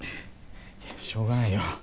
しょうがないよ。